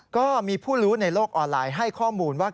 ก็มีผู้รู้ในโลกออนไลน์ให้ข้อมูลว่า